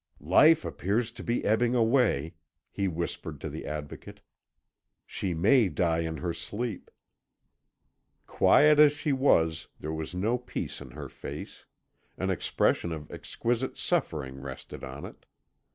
"Life appears to be ebbing away," he whispered to the Advocate; "she may die in her sleep." Quiet as she was, there was no peace in her face; an expression of exquisite suffering rested on it.